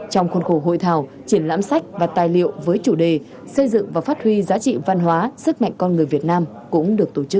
trong khuôn khổ hội thảo triển lãm sách và tài liệu với chủ đề xây dựng và phát huy giá trị văn hóa sức mạnh con người việt nam cũng được tổ chức